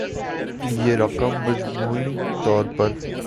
یہ رقم مجموعی طور پر